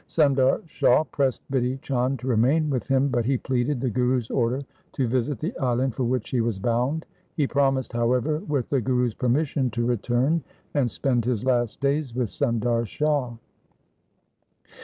Sundar Shah pressed Bidhi Chand to remain with him, but he pleaded the Guru's order to visit the island for which he was bound. He promised, how ever, with the Guru's permission, to return and spend his last days with Sundar Shah.